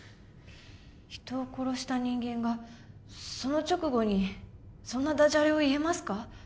人を殺した人間がその直後にそんなダジャレを言えますか？